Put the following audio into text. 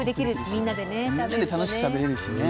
みんなで楽しく食べれるしね。